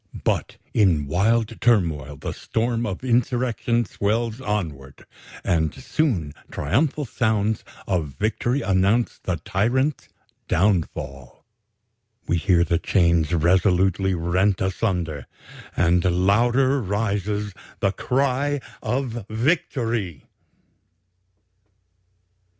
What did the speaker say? But in wild turmoil the storm of insurrection swells onward; and soon triumphal sounds of victory announce the tyrant's downfall. We hear the chains resolutely rent asunder, and louder rises the cry of victory."